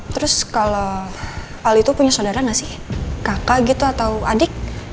terus kalo al itu punya sodara gak sih kakak gitu atau adik